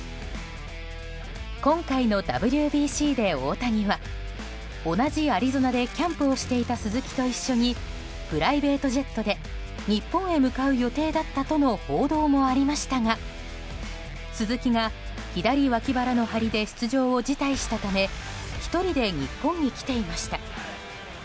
今回のＷＢＣで、大谷は同じアリゾナでキャンプをしていた鈴木と一緒にプライベートジェットで日本へ向かう予定だったとの報道もありましたが鈴木が左脇腹の張りで出場を辞退したため１人で日本に来ていました。